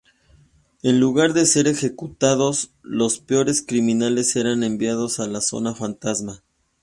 En lugar de ser ejecutados, los peores criminales eran enviados a la zona fantasma.